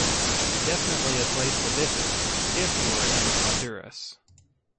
Definitely a place to visit if you are in Honduras.